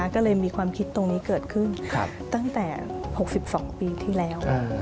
ก็เลยมีความคิดตรงนี้เกิดขึ้นตั้งแต่๖๒ปีที่แล้ว